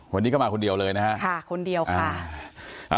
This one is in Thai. วันนี้ก็มาคนเดียวเลยนะฮะค่ะคนเดียวค่ะ